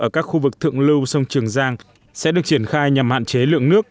ở các khu vực thượng lưu sông trường giang sẽ được triển khai nhằm hạn chế lượng nước